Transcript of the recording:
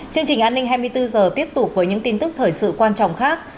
chương trình an ninh hai mươi bốn h tiếp tục với những tin tức thời sự quan trọng khác